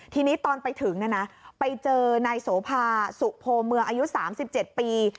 ทีนี้ตอนไปถึงน่ะนะไปเจอนายโสภาสุโพเมืองอายุสามสิบเจ็ดปี